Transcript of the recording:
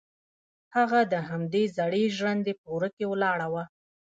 هغه د همدې زړې ژرندې په وره کې ولاړه وه.